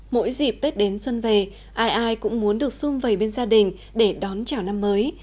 mỗi dịp tết đến xuân về ai ai cũng muốn được xung vầy bên gia đình để đón chào năm mới